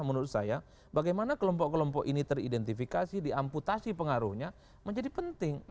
menurut saya bagaimana kelompok kelompok ini teridentifikasi diamputasi pengaruhnya menjadi penting